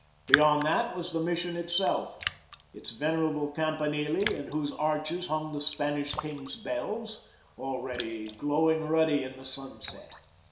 Beyond that was the Mission itself, its venerable campanile, in whose arches hung the Spanish King's bells, already glowing ruddy in the sunset.